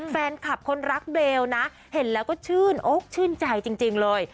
แฟนคลับคนรักเบลนะเห็นแล้วก็ชื่นอกชื่นใจจริงเลย